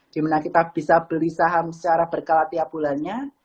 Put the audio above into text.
dimana kita bisa beli saham secara berkala tiap bulannya